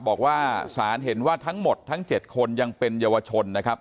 บอกว่าสารเห็นว่าทั้งหมดทั้ง๗คนยังเป็นเยาวชนนะครับ